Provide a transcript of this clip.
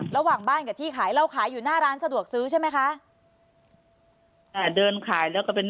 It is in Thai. ระหว่างบ้านกับที่ขายเราขายอยู่หน้าร้านสะดวกซื้อใช่ไหมคะ